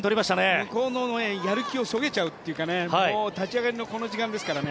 向こうのやる気をそげちゃうというか立ち上がりのこの時間ですからね。